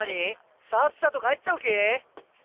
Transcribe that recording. さっさと帰っちゃう気？